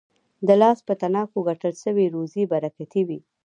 د لاس په تڼاکو ګټل سوې روزي برکتي وي.